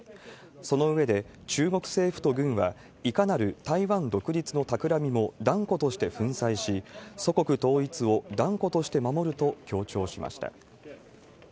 その上で、中国政府と軍は、いかなる台湾独立のたくらみも断固として粉砕し、祖国統一を断固として守ると強調しました。